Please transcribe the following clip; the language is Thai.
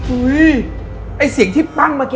อุ้ยไอ้เสียงที่ปั้งเมื่อกี้